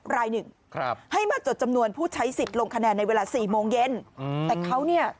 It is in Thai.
ว่าจะมีคนมาใช้สิ่งกี่คนอย่างนี้